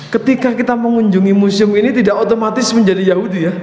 ketika kita mengunjungi museum ini tidak otomatis menjadi yahudi ya